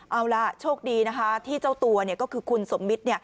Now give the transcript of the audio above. เอาล่ะโชคดีนะคะที่เจ้าตัวก็คือคุณสมมิตร